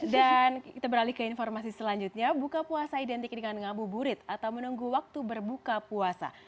dan kita beralih ke informasi selanjutnya buka puasa identik dengan ngabu burit atau menunggu waktu berbuka puasa